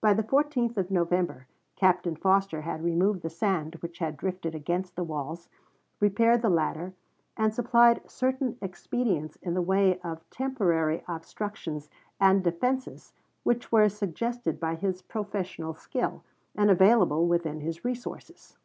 Foster to De Russy, Nov. 14, 1860, W.R. Vol. I., p. 73. By the 14th of November Captain Foster had removed the sand which had drifted against the walls, repaired the latter, and supplied certain expedients in the way of temporary obstructions and defenses which were suggested by his professional skill, and available within his resources.